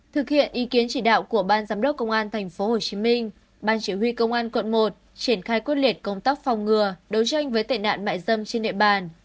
thực hiện ý kiến chỉ đạo của ban giám đốc công an tp hcm ban chỉ huy công an quận một triển khai quyết liệt công tác phòng ngừa đấu tranh với tệ nạn mại dâm trên địa bàn